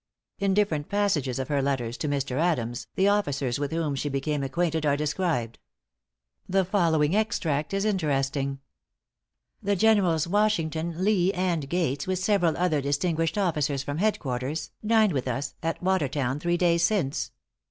In different passages of her letters to Mr. Adams, the officers with whom she became acquainted are described. The following extract is interesting: "The Generals Washington, Lee, and Gates, with several other distinguished officers from headquarters, dined with us (at Watertown) three days since.